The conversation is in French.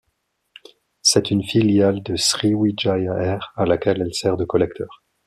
C'est une filiale de Sriwijaya Air, à laquelle elle sert de collecteur.